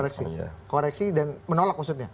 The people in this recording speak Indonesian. koreksi dan menolak maksudnya